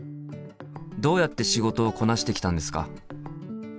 どうやって仕事をこなしてきたんですか？